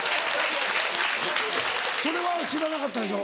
それは知らなかったでしょ。